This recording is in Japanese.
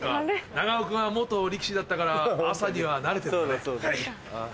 長尾君は力士だったから朝には慣れてるんだね。